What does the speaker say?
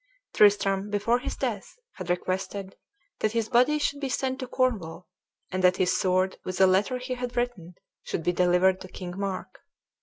Tristram, before his death, had requested that his body should be sent to Cornwall, and that his sword, with a letter he had written, should be delivered to King Mark.